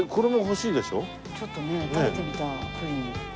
ちょっとね食べてみたいプリン。